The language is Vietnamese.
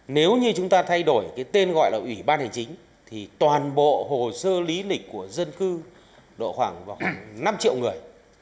nếu như chúng ta thay đổi cái tên gọi là ủy ban hành chính thì toàn bộ hồ sơ lý lịch của dân cư độ khoảng năm triệu người